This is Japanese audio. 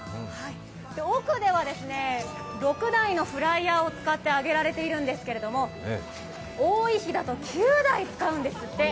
奥では６台のフライヤーを使って揚げられているんですけど多い日だと９台使うんですって。